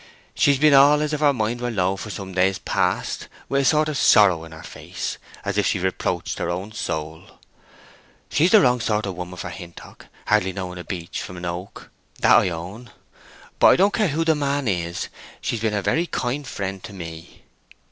She's been all as if her mind were low for some days past—with a sort of sorrow in her face, as if she reproached her own soul. She's the wrong sort of woman for Hintock—hardly knowing a beech from a woak—that I own. But I don't care who the man is, she's been a very kind friend to me.